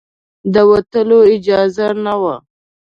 د وتلو اجازه نه وه.